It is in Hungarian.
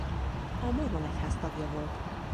A mormon egyház tagja volt.